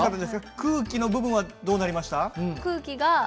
空気の部分はどうなりました？